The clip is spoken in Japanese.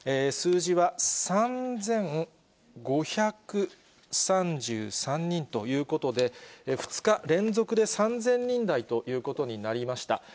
数字は３５３３人ということで、２日連続で３０００人台ということになりました。